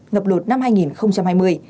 ngập lột năm hai nghìn hai mươi